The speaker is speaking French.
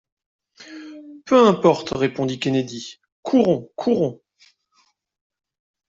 Peu importe, répondit Kennedy, courons! courons !